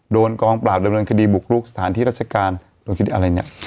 โดนกองปราบดำเนินคดีบุกรุกสถานที่ราชการลงพื้นที่อะไรเนี่ย